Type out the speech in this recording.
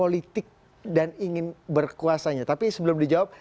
demi bangsa dan negara